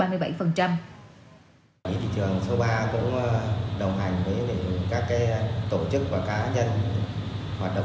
lực lượng quản lý thị trường số ba cũng đồng hành với các tổ chức và cá nhân